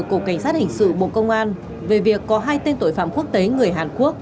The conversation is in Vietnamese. cục cảnh sát hình sự bộ công an về việc có hai tên tội phạm quốc tế người hàn quốc